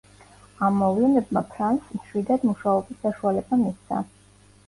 ამ მოვლენებმა ფრანსს მშვიდად მუშაობის საშუალება მისცა.